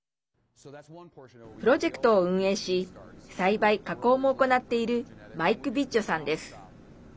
プロジェクトを運営し栽培、加工も行っているマイク・ビッジョさんです。